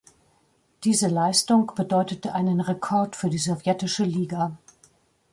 Diese Leistung bedeutete einen Rekord für die sowjetische Liga.